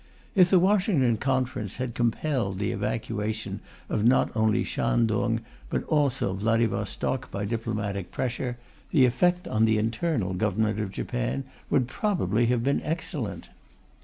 If the Washington Conference had compelled the evacuation of not only Shantung but also Vladivostok by diplomatic pressure, the effect on the internal government of Japan would probably have been excellent.